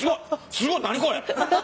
すごい何これ！